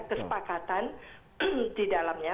kesepakatan di dalamnya